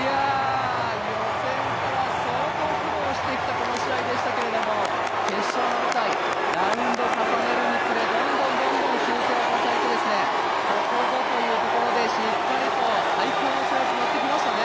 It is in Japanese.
予選から相当苦労してきたこの試合ですけども、決勝の舞台、ラウンド重ねるにつれどんどん修正を重ねてここぞというところでしっかりと最高のジャンプを見せましたね。